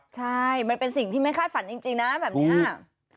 ใช่มันเป็นสิ่งที่ไม่คาดฝันจริงนะแบบนี้